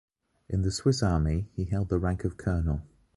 In the Swiss army he held the rank of a colonel.